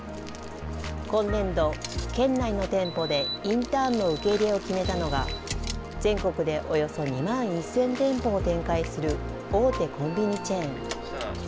今年度、県内の店舗でインターンの受け入れを決めたのが、全国でおよそ２万１０００店舗を展開する大手コンビニチェーン。